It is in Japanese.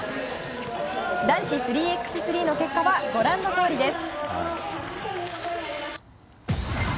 男子３ｘ３の結果はご覧のとおりです。